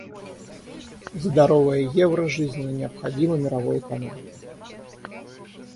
Здоровое евро жизненно необходимо мировой экономике.